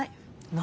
何？